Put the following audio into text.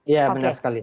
ya benar sekali